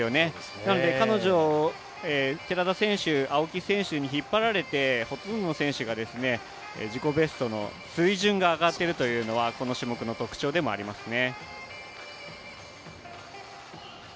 なので彼女、寺田選手青木選手に引っ張られてほとんどの選手が自己ベストの水準が上がっているというのはこの種目の特徴でもありますね。